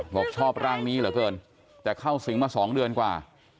บอกชอบร่างนี้เหลือเกินแต่เข้าสิงมา๒เดือนกว่า